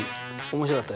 面白かった。